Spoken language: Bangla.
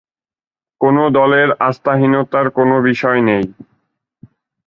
কোনো দলের আস্থাহীনতার কোনো বিষয় নেই।